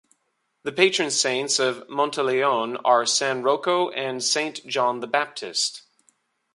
The patron saints of Monteleone are San Rocco and Saint John the Baptist.